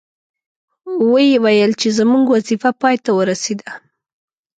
وې ویل چې زموږ وظیفه پای ته ورسیده.